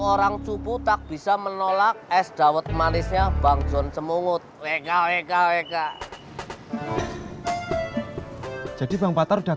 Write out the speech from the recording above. orang cupu tak bisa menolak es daun manisnya bang john semungut weka weka weka jadi bang patar dah